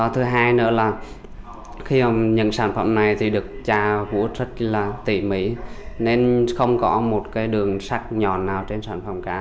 thứ hai nữa là khi nhận sản phẩm này thì được tra vũ rất là tỉ mỉ nên không có một cái đường sắc nhòn nào trên sản phẩm cá